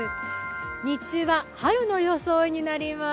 日中は春の装いになります。